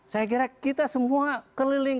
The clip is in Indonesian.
saya kira kita semua keliling